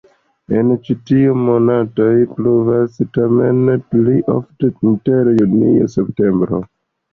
En ĉiuj monatoj pluvas, tamen pli ofte inter junio-septembro.